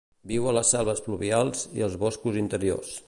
Viu a les selves pluvials i als boscos interiors.